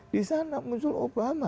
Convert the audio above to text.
di sana muncul obama